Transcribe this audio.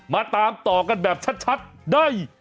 มาตามต่อกันแบบชัดได้